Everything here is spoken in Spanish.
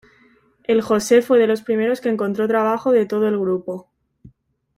El José fue de los primeros que encontró trabajo de todo el grupo.